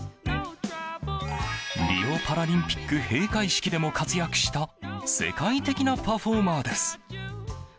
リオパラリンピック閉会式でも活躍した世界的なパフォーマーです。